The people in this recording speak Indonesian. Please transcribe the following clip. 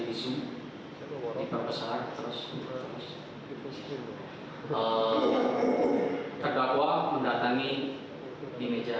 itu ada dia pertama kali datang ke meja lima puluh empat